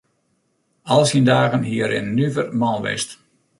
Al syn dagen hie er in nuver man west.